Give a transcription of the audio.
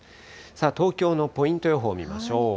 東京のポイント予報見ましょう。